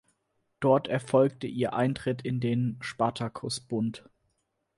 Dort erfolgte ihr Eintritt in den Spartakusbund.